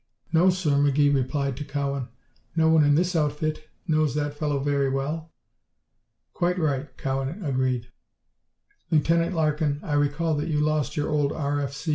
"No, sir," McGee replied to Cowan, "no one in this outfit knows that fellow very well." "Quite right," Cowan agreed. "Lieutenant Larkin, I recall that you lost your old R.F.C.